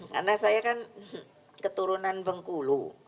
karena saya kan keturunan bengkulu